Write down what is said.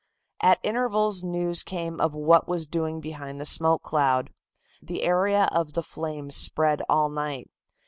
At intervals news came of what was doing behind the smoke cloud. The area of the flames spread all night.